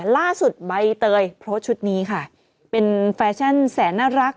ใบเตยโพสต์ชุดนี้ค่ะเป็นแฟชั่นแสนน่ารัก